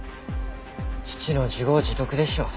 父の自業自得でしょう。